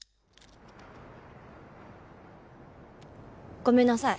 ごめんなさい。